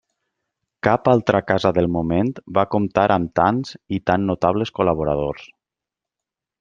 Cap altra casa del moment va comptar amb tants i tan notables col·laboradors.